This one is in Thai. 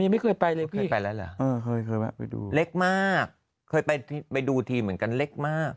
ไม่เคยไปเลยพี่เล็กมากเคยไปดูทีเหมือนกันเล็กมาก